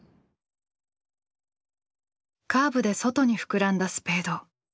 カーブで外に膨らんだスペード。